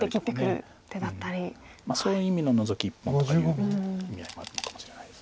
そういう意味のノゾキ１本とかいう意味合いもあるのかもしれないです。